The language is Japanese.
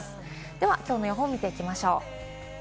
ではきょうの予報を見ていきましょう。